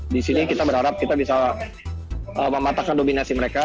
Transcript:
di sini kita berharap kita bisa mematahkan dominasi mereka